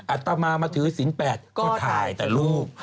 อัตมามาถือศิลปก็ถ่ายแต่รูป